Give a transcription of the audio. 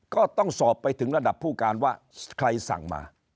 ก็ต้องสอบไปถึงระดับผู้การว่าใครสั่งมา